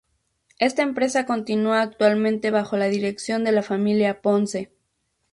Esta empresa continúa actualmente bajo la dirección de la familia Ponce.